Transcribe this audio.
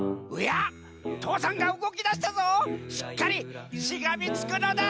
父山がうごきだしたぞしっかりしがみつくのだ！